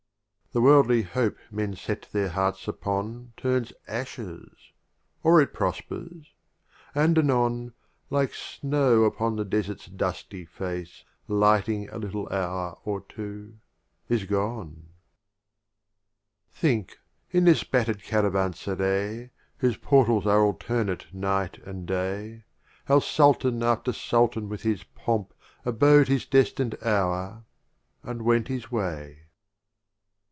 XVI. The Worldly Hope men set their Hearts upon Turns Ashes — or it prospers; and anon, Like Snow upon the Desert's dusty Face, Lighting a little hour or two — is gone. XVII. Think, in this batter' d Caravan serai Whose Portals are alternate Night and Day, How Sultan after Sultan with his Pomp Abode his destined Hour, and went his way.